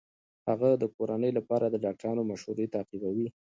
هغه د کورنۍ لپاره د ډاکټرانو مشورې تعقیبوي.